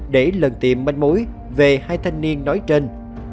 để lần tìm manh mối về hai thanh niên nói trên